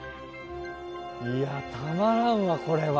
いやたまらんわこれは。